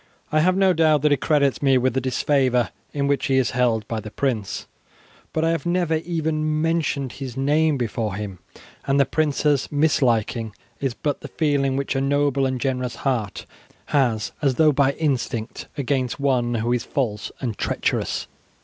I have no doubt that he credits me with the disfavour in which he is held by the prince; but I have never even mentioned his name before him, and the prince's misliking is but the feeling which a noble and generous heart has, as though by instinct, against one who is false and treacherous.